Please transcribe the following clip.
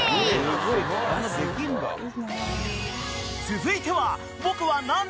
［続いては］